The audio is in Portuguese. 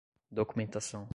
documentação